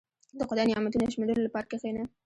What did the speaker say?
• د خدای نعمتونه شمیرلو لپاره کښېنه.